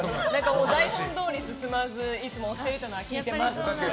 台本どおり進まずいつも押してるというのは聞いています。